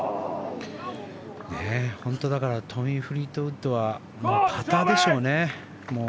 本当に、だからトミー・フリートウッドはパターでしょうね。